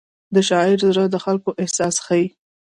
د شاعر زړه د خلکو احساس ښيي.